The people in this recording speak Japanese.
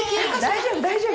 大丈夫大丈夫。